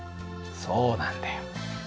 そうなんだよ。